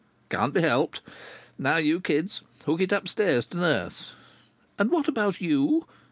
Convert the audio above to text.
"Can't be helped!... Now, you kids, hook it upstairs to nurse." "And what about you?"